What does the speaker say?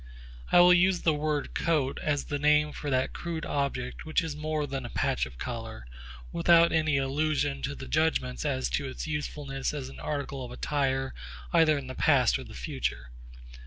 I will use the word 'coat' as the name for that crude object which is more than a patch of colour, and without any allusion to the judgments as to its usefulness as an article of attire either in the past or the future.